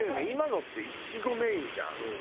今のっていちごメインじゃん。